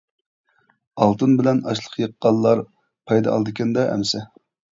ئالتۇن بىلەن ئاشلىق يىغقانلار پايدا ئالىدىكەن دە ئەمسە.